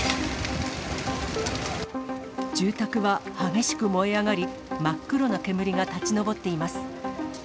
住宅は激しく燃え上がり、真っ黒な煙が立ち上っています。